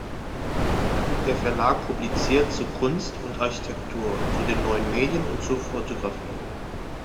Der Verlag publiziert zu Kunst und Architektur, zu den Neuen Medien und zur Fotografie.